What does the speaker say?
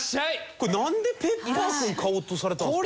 これなんでＰｅｐｐｅｒ君買おうとされたんですか？